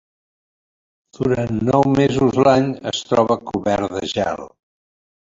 Durant nou mesos l'any es troba cobert de gel.